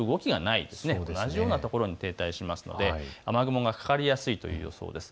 同じような所に停滞しますので雨雲がかかりやすい予想です。